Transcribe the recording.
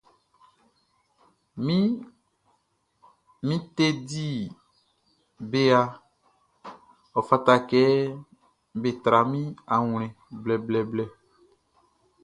Min teddy bearʼn, ɔ fata kɛ be tra min awlɛn blɛblɛblɛ.